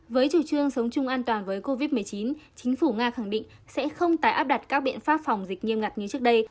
với chủ trương sống chung an toàn với covid một mươi chín chính phủ nga khẳng định sẽ không tái áp đặt các biện pháp phòng dịch nghiêm ngặt như trước đây